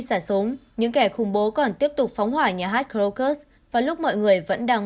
xả súng những kẻ khủng bố còn tiếp tục phóng hỏa nhà hát krokus và lúc mọi người vẫn đang